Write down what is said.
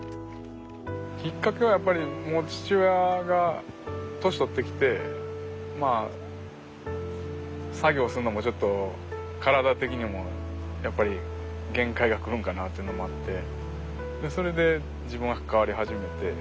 きっかけはやっぱり父親が年取ってきてまあ作業するのもちょっと体的にもやっぱり限界が来るんかなというのもあってそれで自分が関わり始めて。